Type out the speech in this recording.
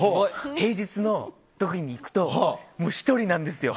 平日の時に行くともう１人なんですよ。